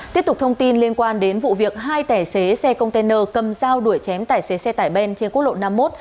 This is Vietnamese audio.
tiếp tục thông tin liên quan đến vụ việc hai tài xế xe container cầm dao đuổi chém tài xế xe tải ben trên quốc lộ năm mươi một